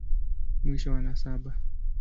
Mwisho wa nasaba.